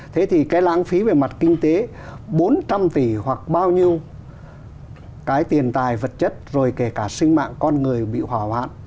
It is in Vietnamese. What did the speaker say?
thế thì cái lãng phí về mặt kinh tế bốn trăm linh tỷ hoặc bao nhiêu cái tiền tài vật chất rồi kể cả sinh mạng con người bị hỏa hoạn